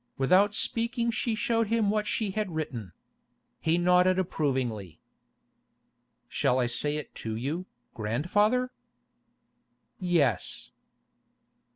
Without speaking she showed him what she had written. He nodded approvingly. 'Shall I say it to you, grandfather?' 'Yes.